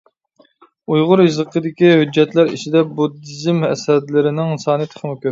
ئۇيغۇر يېزىقىدىكى ھۆججەتلەر ئىچىدە بۇددىزم ئەسەرلىرىنىڭ سانى تېخىمۇ كۆپ.